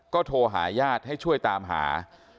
ก็โทรหาญาติให้ช่วยตามหา